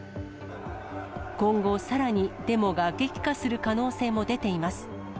今後、さらにデモが激化する可能性も出ています。